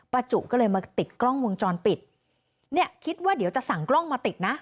จุก็เลยมาติดกล้องวงจรปิดเนี่ยคิดว่าเดี๋ยวจะสั่งกล้องมาติดนะ